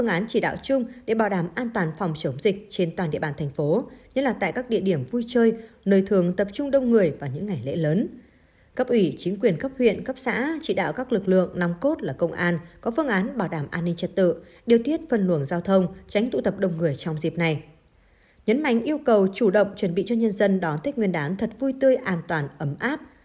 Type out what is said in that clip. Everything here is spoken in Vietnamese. nhấn mảnh yêu cầu chủ động chuẩn bị cho nhân dân đón thích nguyên đáng thật vui tươi an toàn ấm áp